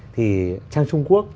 thì sang trung quốc